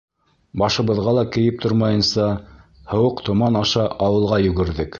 Башыбыҙға ла кейеп тормайынса, һыуыҡ томан аша ауылға йүгерҙек.